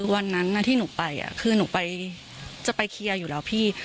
วันนั้นที่หนูไปคือหนูจะไปเคลียร์อยู่แล้วพี่